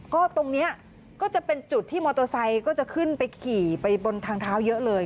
ก็ตรงนี้ก็จะเป็นจุดที่มอเตอร์ไซค์ก็จะขึ้นไปขี่ไปบนทางเท้าเยอะเลย